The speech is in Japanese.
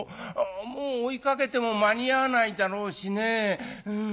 もう追いかけても間に合わないだろうしね。